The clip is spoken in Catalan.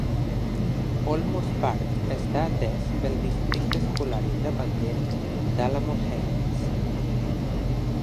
Olmos Park està atès pel districte escolar independent d"Alamo Heights.